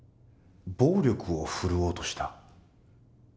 暴力を振るおうとした？